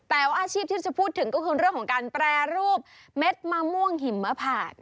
แต่ว่าอาชีพที่จะพูดถึงก็คือเรื่องของการแปรรูปเม็ดมะม่วงหิมมะผาก